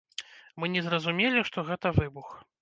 Мы не зразумелі, што гэта выбух.